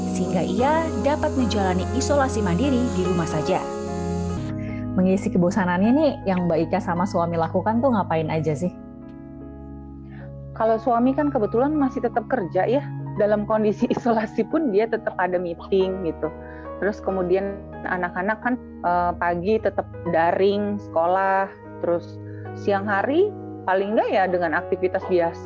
sehingga ia dapat menjalani isolasi mandiri di rumah saja